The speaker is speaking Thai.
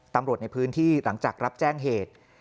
ตำรวจในพื้นที่หลังจากรับแจ้งเหตุ